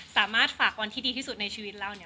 สามารถฝากวันที่ดีที่สุดในชีวิตเราเนี่ย